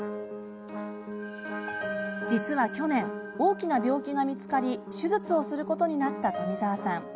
実は去年大きな病気が見つかり手術をすることになった富澤さん。